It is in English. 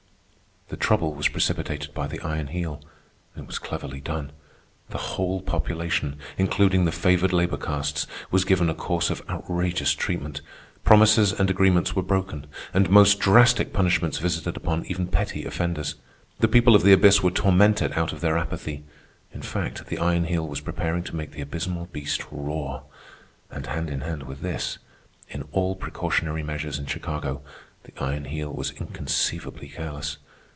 The trouble was precipitated by the Iron Heel. It was cleverly done. The whole population, including the favored labor castes, was given a course of outrageous treatment. Promises and agreements were broken, and most drastic punishments visited upon even petty offenders. The people of the abyss were tormented out of their apathy. In fact, the Iron Heel was preparing to make the abysmal beast roar. And hand in hand with this, in all precautionary measures in Chicago, the Iron Heel was inconceivably careless.